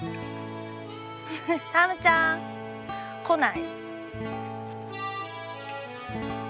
タムちゃん！来ない。